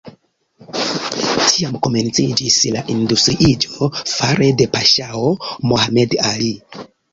Tiam komenciĝis la industriiĝo fare de paŝao Mohamed Ali.